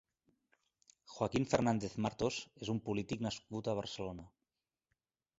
Joaquín Fernández Martos és un polític nascut a Barcelona.